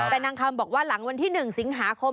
แต่นางคำบอกว่าหลังวันที่๑สิงหาคม